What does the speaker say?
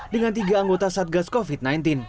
dengan tiga anggota satgas covid sembilan belas